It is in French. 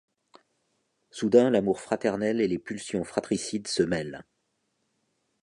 Soudain l'amour fraternel et les pulsions fratricides se mêlent...